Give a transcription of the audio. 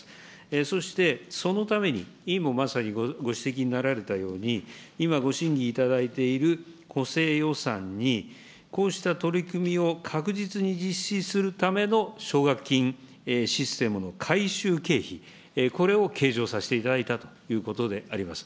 そして、そのために、委員もまさにご指摘になられたように、今ご審議いただいている補正予算に、こうした取り組みを確実に実施するための奨学金システムの改修経費、これを計上させていただいたということであります。